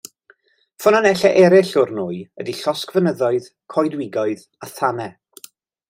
Ffynonellau eraill o'r nwy ydy llosgfynyddoedd, coedwigoedd a thanau.